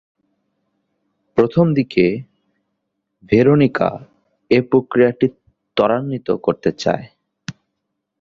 প্রথমদিকে ভেরোনিকা এ প্রক্রিয়াটি ত্বরান্বিত করতে চায়।